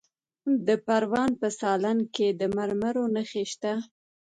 د پروان په سالنګ کې د مرمرو نښې شته.